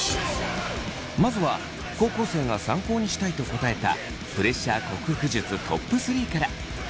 まずは高校生が参考にしたいと答えたプレッシャー克服術トップ３から。